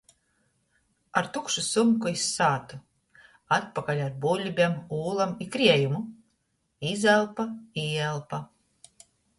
Ar tukšu sumku iz sātu, atpakaļ ar buļbem, ūlom i kriejumu. Izelpa, īelpa.